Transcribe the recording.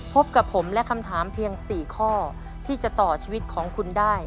พบกับผมและคำถามเพียง๔ข้อที่จะต่อชีวิตของคุณได้